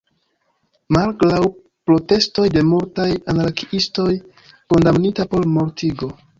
Malgraŭ protestoj de multaj anarkiistoj, kondamnita por mortigo.